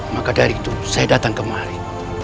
maka dari itu saya datang kemari